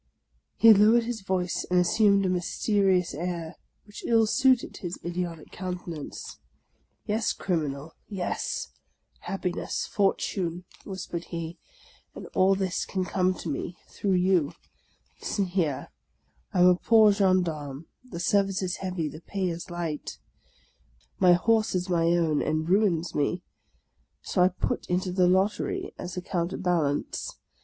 " He lowered his voice and assumed a mysterious air, which ill suited with his idiotic countenance. " Yes, Criminal, yes, — happiness ! fortune !" whispered he ;" all this can come to me through you. Listen here, I am a poor gendarme; the service is heavy, the pay is light; my horse is my own, and ruins me. So I put into the lottery as a counterbalance.